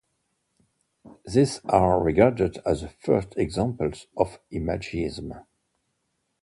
These are regarded as the first examples of Imagism.